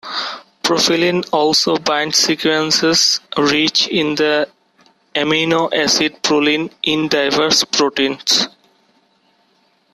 Profilin also binds sequences rich in the amino acid proline in diverse proteins.